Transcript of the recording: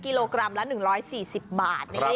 กิโลกรัมละ๑๔๐บาท